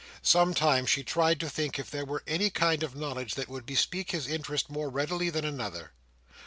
Sometimes she tried to think if there were any kind of knowledge that would bespeak his interest more readily than another.